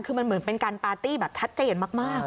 คือมันเหมือนเป็นการปาร์ตี้แบบชัดเจนมาก